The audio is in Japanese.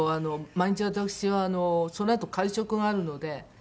毎日私はそのあと会食があるので。